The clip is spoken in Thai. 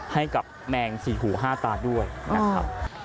ให้กับแมงสี่หูห้าตาด้วยนะครับ